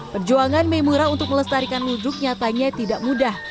perjuangan meimura untuk melestarikan ludruk nyatanya tidak mudah